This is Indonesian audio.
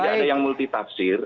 tidak ada yang multi tafsir